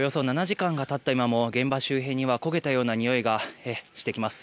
火事からおよそ７時間が経った今も現場周辺には焦げたようなにおいがしてきます。